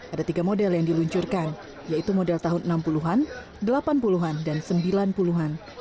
ada tiga model yang diluncurkan yaitu model tahun enam puluh an delapan puluh an dan sembilan puluh an